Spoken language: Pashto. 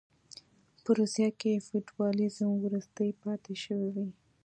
په روسیه کې فیوډالېزم وروستۍ پاتې شوې وې.